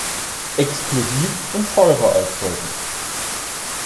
Exklusiv und teurer als heute!